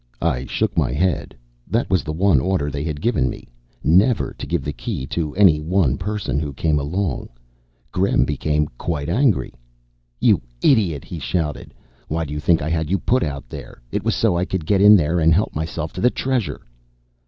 I shook my head. That was the one order they had given me never to give the Key to any one person who came alone. Gremm became quite angry. "You idiot," he shouted. "Why do you think I had you put out here? It was so I could get in there and help myself to the Treasure."